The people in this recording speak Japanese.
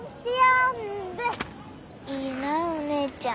いいなお姉ちゃん。